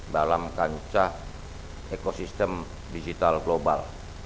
dalam kancah ekosistem digital global